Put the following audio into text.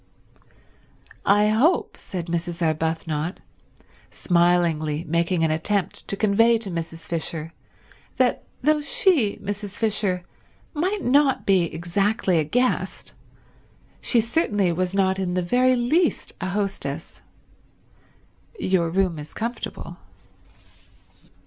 "I hope," said Mrs. Arbuthnot, smilingly making an attempt to convey to Mrs. Fisher that though she, Mrs. Fisher, might not be exactly a guest she certainly was not in the very least a hostess, "your room is comfortable."